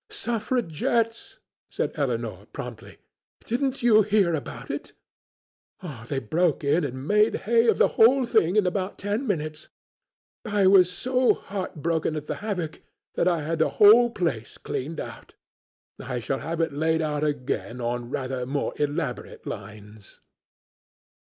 "Suffragettes," said Elinor promptly; "didn't you hear about it? They broke in and made hay of the whole thing in about ten minutes. I was so heart broken at the havoc that I had the whole place cleared out; I shall have it laid out again on rather more elaborate lines."